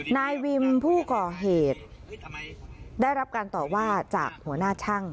นายวิมผู้ก่อเหตุได้รับการตอบว่าจากหัวหน้าช่าง